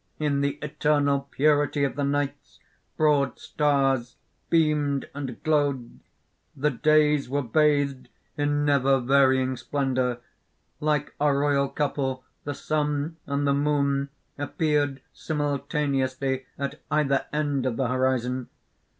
In the eternal purity of the nights, broad stars beamed and glowed. The days were bathed in never varying splendour. Like a royal couple the Sun and the Moon appeared simultaneously, at either end of the horizon.